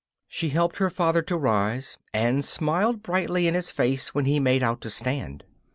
She helped her father to rise, and smiled brightly in his face when he made out to stand.